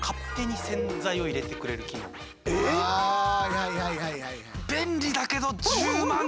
はいはいはいはい。